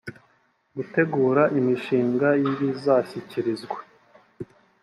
gutegura imishinga y ibizashyikirizwa